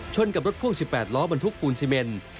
กับรถพ่วง๑๘ล้อบรรทุกปูนซีเมน